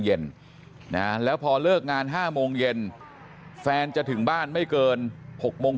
เย็นนะแล้วพอเลิกงาน๕โมงเย็นแฟนจะถึงบ้านไม่เกิน๖โมง